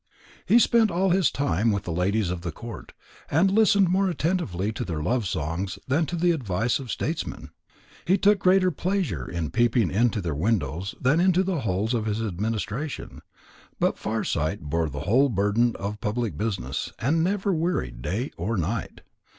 He spent all his time with the ladies of the court, and listened more attentively to their love songs than to the advice of statesmen. He took greater pleasure in peeping into their windows than into the holes in his administration. But Farsight bore the whole burden of public business, and never wearied day or night.